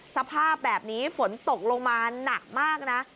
สภาพแบบนี้ฝนตกลงมาหนักมากนะ